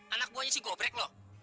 anak buahnya si gobrek lo